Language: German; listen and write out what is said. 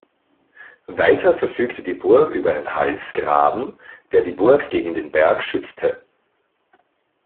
Weiter verfügte die Burg über einen Halsgraben, der die Burg gegen den Berg schützte.